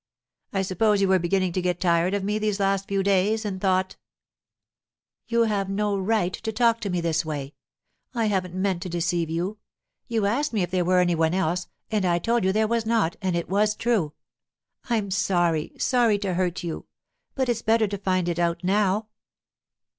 I suppose you were beginning to get tired of me these last few days, and thought——' 'You have no right to talk to me this way! I haven't meant to deceive you. You asked me if there were any one else, and I told you there was not, and it was true. I'm sorry—sorry to hurt you, but it's better to find it out now.